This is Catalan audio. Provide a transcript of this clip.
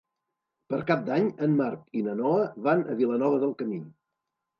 Per Cap d'Any en Marc i na Noa van a Vilanova del Camí.